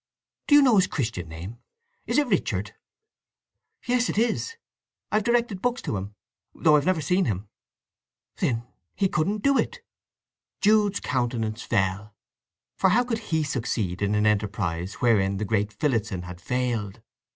Do you know his Christian name—is it Richard?" "Yes—it is; I've directed books to him, though I've never seen him." "Then he couldn't do it!" Jude's countenance fell, for how could he succeed in an enterprise wherein the great Phillotson had failed?